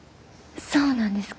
そうなんですか？